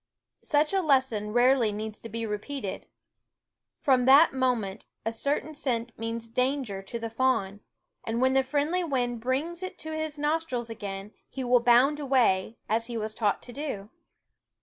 Such a lesson rarely needs to be repeated. From that moment a certain scent means danger to the fawn, and when the friendly wind brings it to his /> 9 <AV THE WOODS & nostrils again he will bound away, as he was taught to do.